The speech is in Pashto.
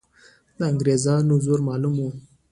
د انګریزانو زور معلوم وو.